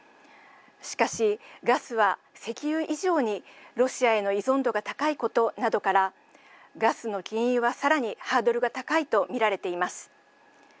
しかし、ガスは石油以上にロシアへの依存度が高いことなどからガスの禁輸はさらにハードルが高いとみられています。